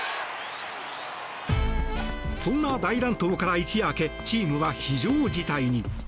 そんな大乱闘から一夜明けチームは非常事態に。